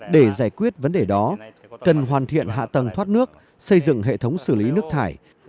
để giải quyết vấn đề đó cần hoàn thiện hạ tầng thoát nước xây dựng hệ thống xử lý nước thải